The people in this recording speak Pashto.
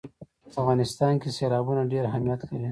په افغانستان کې سیلابونه ډېر اهمیت لري.